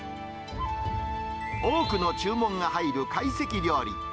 多くの注文が入る会席料理。